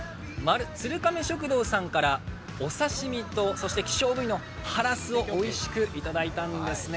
鶴亀食堂さんからお刺身と希少部位のハラスをおいしくいただいたんですね。